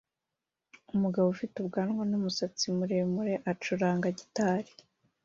Umugabo ufite ubwanwa numusatsi muremure acuranga gitari